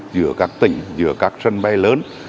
giữa các tỉnh giữa các sân bay lớn